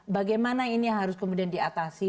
bagaimana ini harus kemudian diatasi